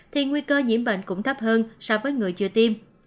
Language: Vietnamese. thì nguy cơ nhiễm bệnh cũng thấp hơn so với người chưa tiêm